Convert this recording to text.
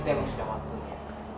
itu memang sudah waktunya